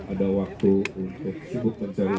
ada waktu untuk sibuk mencari uang